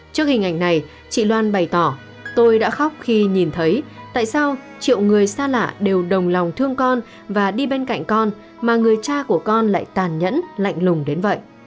trước hình ảnh này chị loan bày tỏ tôi đã khóc khi nhìn thấy tại sao triệu người xa lạ đều đồng lòng thương con và đi bên cạnh con mà người cha của con lại tàn nhẫn lạnh lùng đến vậy